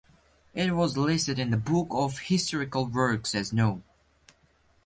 It was listed in the Book of Historical Works as no.